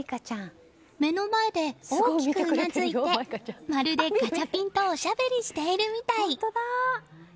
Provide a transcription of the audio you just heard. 目の前で大きくうなずいてまるでガチャピンとおしゃべりしているみたい。